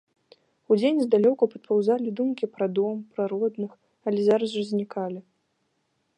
Удзень здалёку падпаўзалі думкі пра дом, пра родных, але зараз жа знікалі.